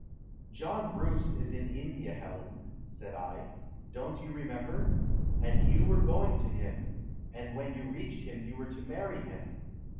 "John Bruce is in India, Helen," said I. "Don't you remember? And you were going to him, and when you reached him you were to marry him.